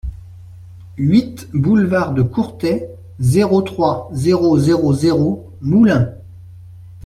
huit boulevard de Courtais, zéro trois, zéro zéro zéro Moulins